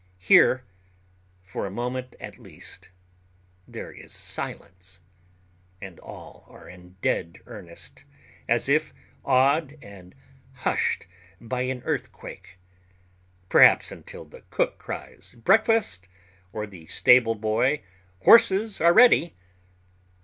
Here, for a few moments at least, there is silence, and all are in dead earnest, as if awed and hushed by an earthquake—perhaps until the cook cries "Breakfast!" or the stable boy "Horses are ready!"